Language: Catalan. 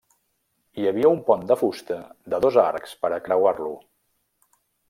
Hi havia un pont de fusta de dos arcs per a creuar-lo.